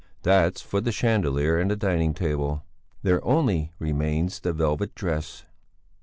That's for the chandelier and the dining table. There only remains the velvet dress.